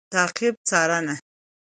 تعقیب √څارنه